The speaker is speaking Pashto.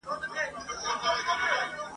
چي په هغو کي « زموږ شهید سوي عسکر» !.